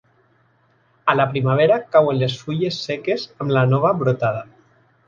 A la primavera cauen les fulles seques amb la nova brotada.